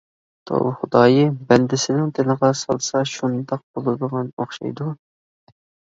توۋا، خۇدايىم بەندىسىنىڭ دىلىغا سالسا شۇنداق بولىدىغان ئوخشايدۇ.